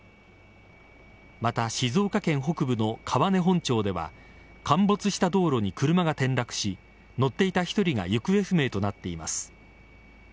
また、静岡県北部の川根本町では陥没した道路に車が転落し乗っていた１人が行方不明となっています。